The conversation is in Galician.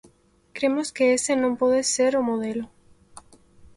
Cremos que ese non pode ser o modelo.